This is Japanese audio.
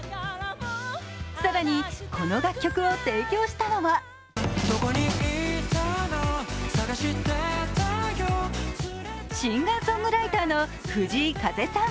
更に、この楽曲を提供したのはシンガーソングライターの藤井風さん。